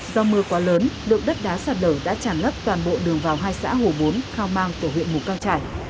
do mưa quá lớn lượng đất đá sạt lở đã tràn lấp toàn bộ đường vào hai xã hồ bốn khao mang của huyện mù căng trải